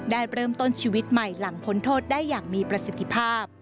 ได้เริ่มต้นชีวิตใหม่หลังพ้นโทษได้อย่างมีประสิทธิภาพ